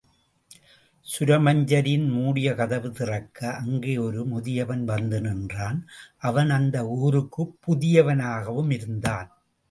சுரமஞ்சரியின் மூடிய கதவு திறக்க அங்கே ஒரு முதியவன் வந்து நின்றான் அவன் அந்த ஊருக்குப் புதியவனாகவும் இருந்தான்.